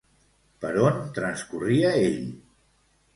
Per on transcorria ell?